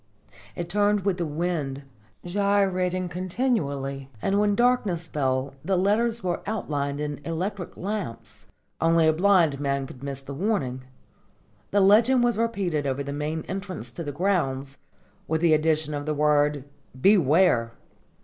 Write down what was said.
It turned with the wind, gyrating continually, and when darkness fell the letters were outlined in electric lamps. Only a blind man could miss the warning. This legend was repeated over the main entrance to the grounds, with the addition of the word "Beware!"